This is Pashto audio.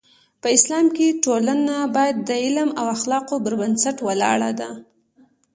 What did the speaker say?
په اسلام کې ټولنه باید د علم او اخلاقو پر بنسټ ولاړه ده.